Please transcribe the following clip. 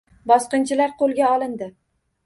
Bosqinchilar qo‘lga olindi